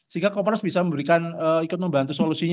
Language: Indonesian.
sehingga komporas bisa memberikan